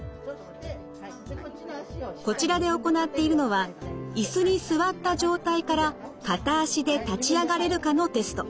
こちらで行っているのは椅子に座った状態から片足で立ち上がれるかのテスト。